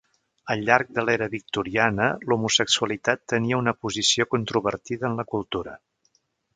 Al llarg de l'era victoriana, l'homosexualitat tenia una posició controvertida en la cultura.